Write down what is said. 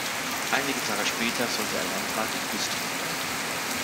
Einige Tage später sollte er Landrat in Güstrow werden.